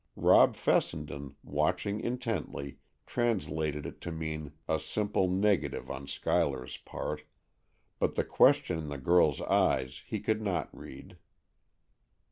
Rob Fessenden, watching intently, translated it to mean a simple negative on Schuyler's part, but the question in the girl's eyes he could not read.